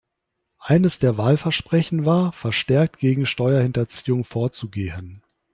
Eines der Wahlversprechen war, verstärkt gegen Steuerhinterziehung vorzugehen.